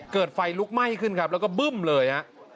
เกิดไฟลุกไหม้ขึ้นครับแล้วก็บึ้มเลยฮะ